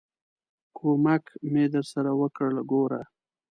ک و م ک مې درسره وکړ، ګوره!